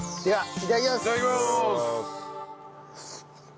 いただきまーす。